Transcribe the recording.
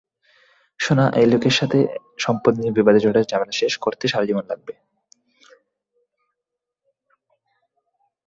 সোনা, এই লোকের সাথে সম্পদ নিয়ে বিবাদে জড়ালে ঝামেলা শেষ করতে সারাজীবন লাগবে!